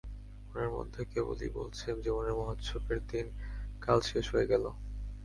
মনের মধ্যে কেবলই বলছে, জীবনের মহোৎসবের দিন কাল শেষ হয়ে গেল।